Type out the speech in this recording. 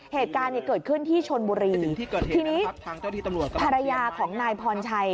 เหตุการณ์เนี่ยเกิดขึ้นที่ชนบุรีทีนี้ภรรยาของนายพรชัย